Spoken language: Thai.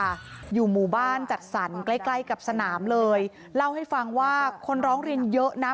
อยู่หมู่บ้านจัดสรรใกล้ใกล้กับสนามเลยเล่าให้ฟังว่าคนร้องเรียนเยอะนะ